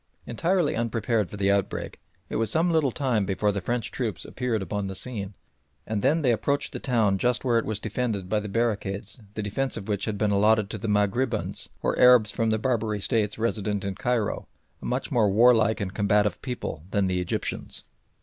Entirely unprepared for the outbreak, it was some little time before the French troops appeared upon the scene, and then they approached the town just where it was defended by the barricades the defence of which had been allotted to the Maghrabins, or Arabs from the Barbary States resident in Cairo, a much more warlike and combative people than the Egyptians.